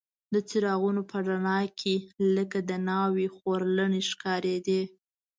د څراغونو په رڼا کې لکه د ناوې خورلڼې ښکارېدې.